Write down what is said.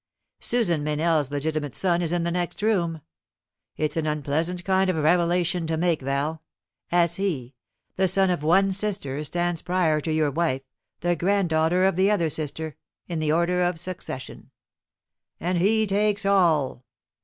Susan Meynell's legitimate son is in the next room. It's an unpleasant kind of revelation to make, Val; as he, the son of one sister, stands prior to your wife, the granddaughter of the other sister, in the order of succession. AND HE TAKES ALL!"